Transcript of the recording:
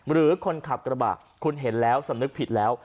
หรือคนขับกระบะคุณเห็นแล้วสำนึกผิดแล้ว